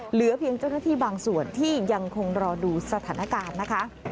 เหลือเพียงเจ้าหน้าที่บางส่วนที่ยังคงรอดูสถานการณ์นะคะ